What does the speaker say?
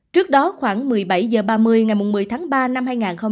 trước đó khoảng một mươi bảy h ba mươi ngày một mươi tháng ba năm hai nghìn hai mươi